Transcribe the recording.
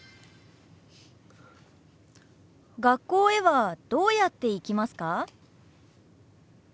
学校へはどうやって行きますか？